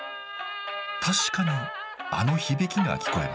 確かにあの響きが聞こえます。